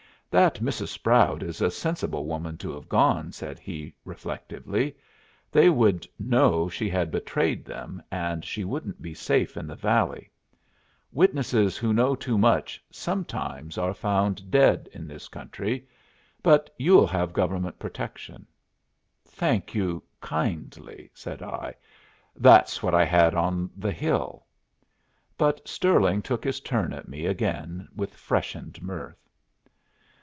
"That Mrs. Sproud is a sensible woman to have gone," said he, reflectively. "They would know she had betrayed them, and she wouldn't be safe in the valley. Witnesses who know too much sometimes are found dead in this country but you'll have government protection." "Thank you kindly," said I. "That's what I had on the hill." But Stirling took his turn at me again with freshened mirth.